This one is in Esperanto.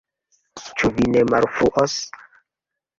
Ĉu vi ne malfruos?